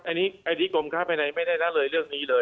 อันนี้กรมค้าภายในไม่ได้ละเลยเรื่องนี้เลย